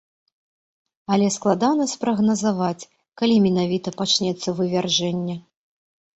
Але складана спрагназаваць, калі менавіта пачнецца вывяржэнне.